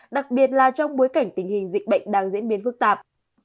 đặc biệt là trong bối cảnh tình hình dịch bệnh đang diễn biến phức tạp